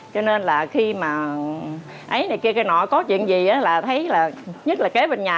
cho nên là khi mà ấy này kia cây nọ có chuyện gì là thấy là nhất là kế bên nhà